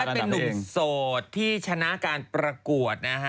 เป็นหนุ่มสดที่ชนะการปรากวด